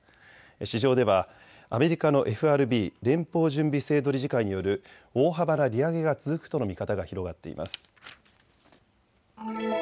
市場ではアメリカのＦＲＢ・連邦準備制度理事会による大幅な利上げが続くとの見方が広がっています。